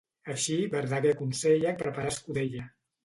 Així, Verdaguer aconsella preparar escudella.